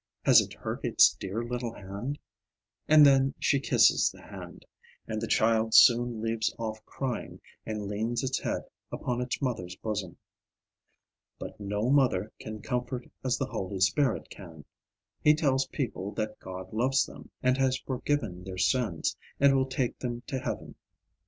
Has it hurt its dear little hand?" and then she kisses the hand, and the child soon leaves off crying, and leans its head upon its mother's bosom. But no mother can comfort as the Holy Spirit can. He tells people that God loves them, and has forgiven their sins, and will take them to heaven.